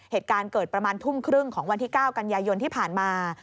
เหตุการณ์เกิดประมาณทุ่มครึ่งของวันที่๙กันยายนที่ผ่านมา